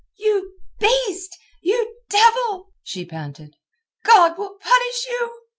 "You beast! You devil!" she panted. "God will punish you!